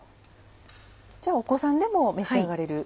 じゃあお子さんでも召し上がれる？